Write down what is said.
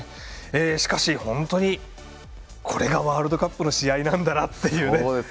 しかし、本当にこれがワールドカップの試合なんだなっていうね。